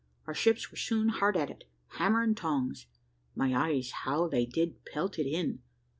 Our ships were soon hard at it, hammer and tongs, (my eyes, how they did pelt it in!)